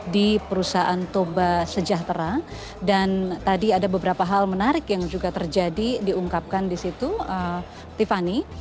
di perusahaan toba sejahtera dan tadi ada beberapa hal menarik yang juga terjadi diungkapkan di situ tiffany